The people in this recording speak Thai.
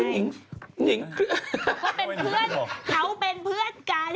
คุณนิงเค้าเป็นเพื่อนกัน